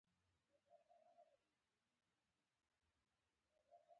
ډېری خلک د یوې موخې سره جېم یا کلب ته ځي